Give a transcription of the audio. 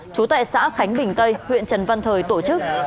trú tại xã khánh bình tây huyện trần văn thời tổ chức